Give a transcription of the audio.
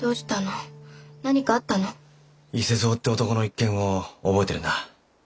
伊勢蔵って男の一件を覚えてるな。